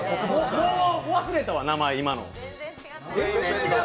もう忘れたわ、名前、今の。